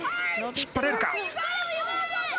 引っ張れるか。